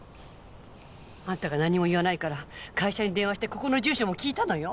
あんたがなんにも言わないから会社に電話してここの住所も聞いたのよ。